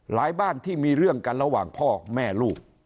บ้านที่มีเรื่องกันระหว่างพ่อแม่ลูก